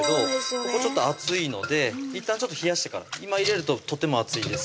ここちょっと熱いのでいったんちょっと冷やしてから今入れるととても熱いです